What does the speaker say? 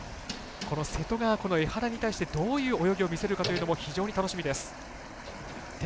瀬戸が江原に対してどういう泳ぎを見せるかというのも非常に楽しみです。